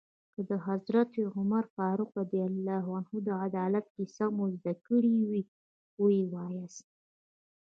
که د حضرت عمر فاروق رض د عدالت کیسه مو زده وي ويې وایاست.